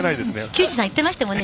球児さん言ってましたよね。